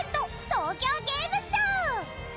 東京ゲームショウ。